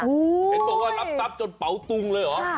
เห็นบอกว่ารับทรัพย์จนเป๋าตุงเลยเหรอ